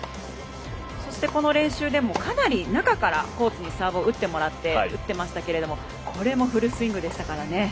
そして、この練習でもかなり中から、コーチにサーブを打ってもらって打ってましたけどこれもフルスイングでしたからね。